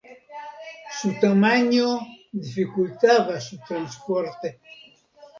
Su tamaño dificultaba su transporte.